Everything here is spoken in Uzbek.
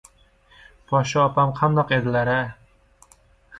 — Poshsha opam qandoq edilar-a!